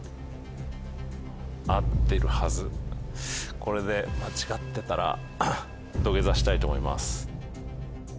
これで間違ってたら土下座したいと思います。